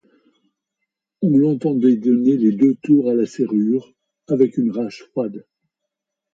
On l’entendait donner les deux tours à la serrure, avec une rage froide.